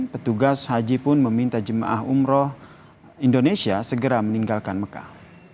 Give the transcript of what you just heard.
petugas haji pun meminta jemaah umroh indonesia segera meninggalkan mekah